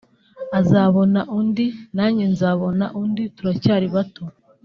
azabona undi nanjye nzabona undi turacyari bato”